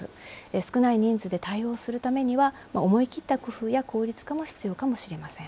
少ない人数で対応するためには、思い切った工夫や効率化も必要かもしれません。